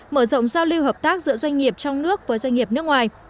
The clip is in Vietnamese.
mở rộng giao lưu hợp tác giữa doanh nghiệp trong nước với doanh nghiệp nước ngoài